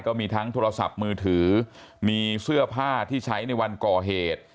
ก็มีทั้งโทรศัพท์มือถือมีเสื้อผ้าที่ใช้ในวันก่อเหตุ